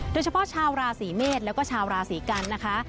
โดยเฉพาะชาวราศีมีดและชาวราศีกรรมนะคะ